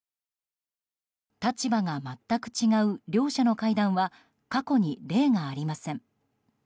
立場が全く違う両者の会談は過去に例がありません。